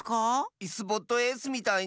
イスボットエースみたいに？